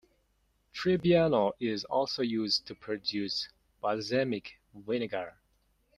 Trebbiano is also used to produce balsamic vinegar.